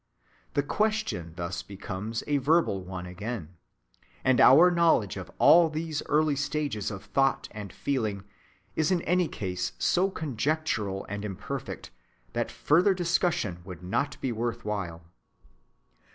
The question thus becomes a verbal one again; and our knowledge of all these early stages of thought and feeling is in any case so conjectural and imperfect that farther discussion would not be worth while.